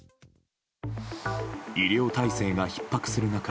医療体制がひっ迫する中